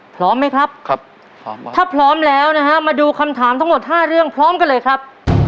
พร้อมไหมครับครับพร้อมถ้าพร้อมแล้วนะฮะมาดูคำถามทั้งหมด๕เรื่องพร้อมกันเลยครับ